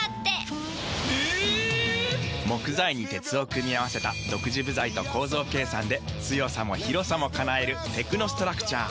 木材に鉄を組み合わせた独自部材と構造計算で強さも広さも叶えるテクノストラクチャー。